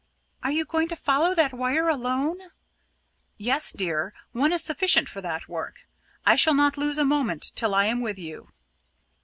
"Are you going to follow that wire alone?" "Yes, dear. One is sufficient for that work. I shall not lose a moment till I am with you."